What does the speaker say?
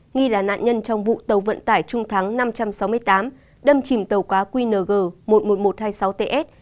nghi là nạn nhân trong vụ tàu vận tải trung thắng năm trăm sáu mươi tám đâm chìm tàu quá qng một mươi một nghìn một trăm hai mươi sáu ts